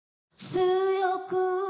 「強く」